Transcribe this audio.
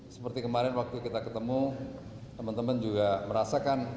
seperti kemarin waktu kita ketemu teman teman juga merasakan